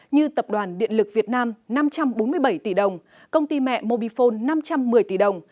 như tập đoàn điện lực việt nam năm trăm bốn mươi bảy tỷ đồng công ty mẹ mobifone năm trăm một mươi tỷ đồng